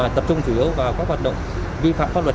tập trung chủ yếu vào các hoạt động vi phạm pháp luật